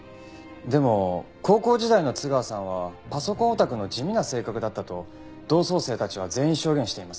でも高校時代の津川さんはパソコンオタクの地味な性格だったと同窓生たちは全員証言しています。